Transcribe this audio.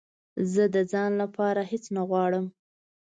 زه د ځان لپاره هېڅ نه غواړم